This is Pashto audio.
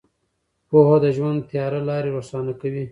پوهه د ژوند تیاره لارې روښانه کوي.